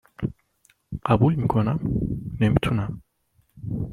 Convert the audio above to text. .قبول می کنم؟ نمی تونم